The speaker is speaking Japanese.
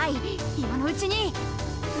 今のうちに。